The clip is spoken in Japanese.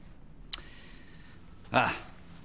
ああ。